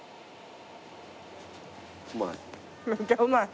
うまい？